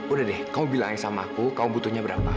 udah deh kamu bilang sama aku kau butuhnya berapa